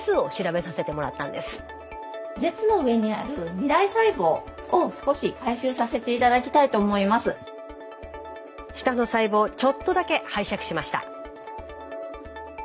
舌の細胞をちょっとだけ拝借しました。